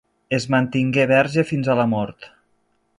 Es mantingué verge fins a la mort.